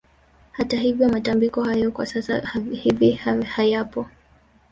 Hata hivyo matambiko hayo kwa sasa hivi hayapo